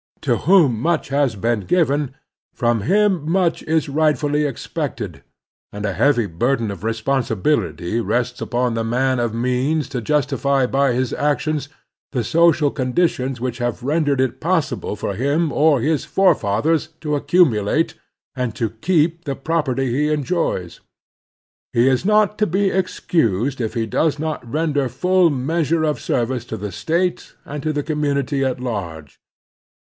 To whom much has been given, from him much is rightftilly expected, and a heavy burden of responsibility rests upon the man of means to justify by his actions the social con ditions which have rendered it possible for him or his forefathers to accumulate and to keep the property he enjojrs. He is not to be excused if he does not render full measure of service to the State and to the commtmity at large.